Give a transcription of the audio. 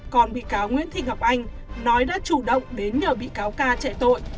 còn bị cáo nguyễn thị ngọc anh nói đã chủ động đến nhờ bị cáo ca chạy tội